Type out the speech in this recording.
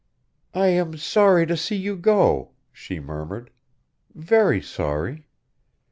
"I am sorry to see you go," she murmured, "very sorry.